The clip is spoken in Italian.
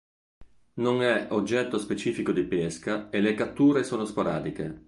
Non è oggetto specifico di pesca e le catture sono sporadiche.